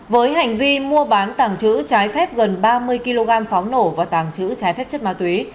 với hành vi mua bán tàng trữ trái phép gần ba mươi kg pháo nổ và tàng trữ trái phép chất ma túy